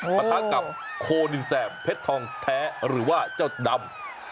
ประทะกับโคนินแสบเพชรทองแท้หรือว่าเจ้าดำ